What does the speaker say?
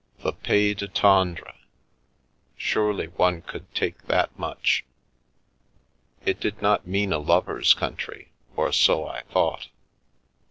The Pays du Tendre! Surely one could take that much; it did not mean a lover's country, or so I thought.